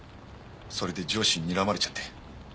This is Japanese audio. それで上司ににらまれちゃって。